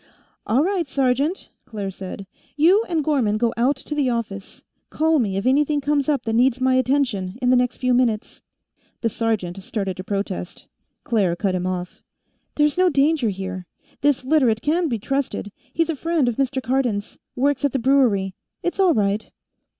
"All right, sergeant," Claire said. "You and Gorman go out to the office. Call me if anything comes up that needs my attention, in the next few minutes." The sergeant started to protest. Claire cut him off. "There's no danger here. This Literate can be trusted; he's a friend of Mr. Cardon's. Works at the brewery. It's all right."